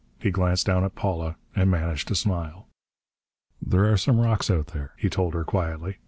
He glanced down at Paula and managed to smile. "There are some rocks out there," he told her quietly.